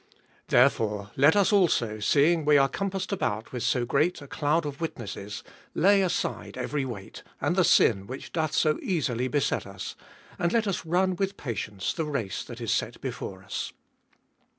— 1. Therefore let us also, seeing we are compassed about with so great a cloud of witnesses, lay aside every weight, and the sin which doth so easily beset us, and let us run with patience the race that is set before us.